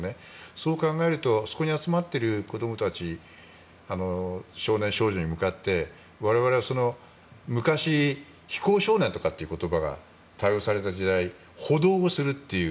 そう考えるとそこに集まっている子どもたち少年少女に向かって我々は昔、非行少年とかって言葉が多用された時代補導をするという。